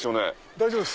大丈夫です。